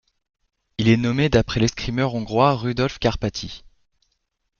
Il est nommé d’après l’escrimeur hongrois Rudolf Kárpáti.